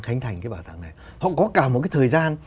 khánh thành cái bảo tàng này họ có cả một cái thời gian